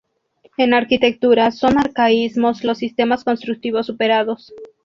En arquitectura son arcaísmos los sistemas constructivos superados.